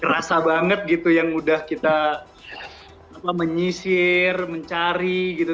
kerasa banget gitu yang udah kita menyisir mencari gitu